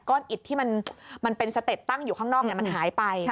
อิดที่มันเป็นสเต็ปตั้งอยู่ข้างนอกมันหายไป